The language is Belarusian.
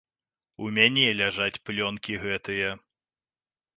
У мяне ляжаць плёнкі гэтыя.